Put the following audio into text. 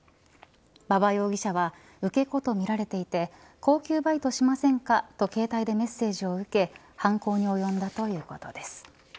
馬場容疑者は受け子とみられていて高給バイトしませんかと携帯でメッセージを受け犯行におよんだということです。